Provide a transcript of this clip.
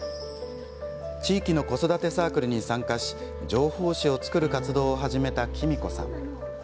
地域の子育てサークルに参加し情報誌を作る活動を始めたきみこさん。